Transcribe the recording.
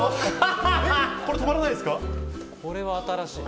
これは新しい。